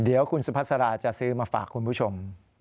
เดี๋ยวคุณสุภาษาจะซื้อมาฝากคุณผู้ชม